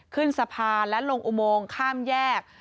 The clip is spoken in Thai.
ขึ้นสะพานและลงอุโมงข้ามแยก